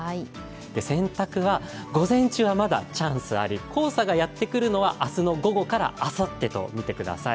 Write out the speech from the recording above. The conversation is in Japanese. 洗濯は午前中はまだチャンスあり黄砂がやってくるのは明日の午後からあさってとみてください。